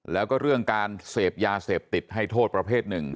แล้วก็เรื่องการเสพยาเสพติดให้โทษประเภทหนึ่ง